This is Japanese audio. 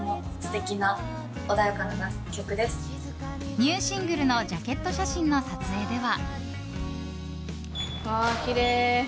ニューシングルのジャケット写真の撮影では。